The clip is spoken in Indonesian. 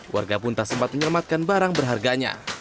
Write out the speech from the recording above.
warga pun tak sempat menyelamatkan barang berharganya